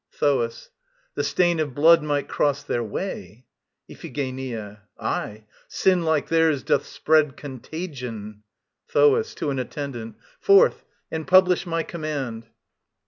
THOAS. The stain of blood might cross their way. IPHIGENIA. Aye, sin like theirs doth spread contagion. THOAS (to an ATTENDANT). Forth, and publish my command